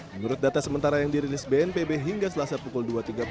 menurut data sementara yang dirilis bnpb hingga selasa pukul dua tiga puluh